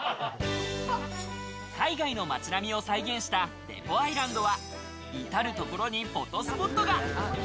海外の街並みを再現したデポアイランドはいたるところにフォトスポットが。